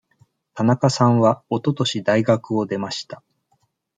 田中さんはおととし大学を出ました。